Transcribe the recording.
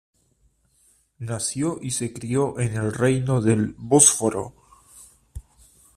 Nació y se crio en el Reino del Bósforo.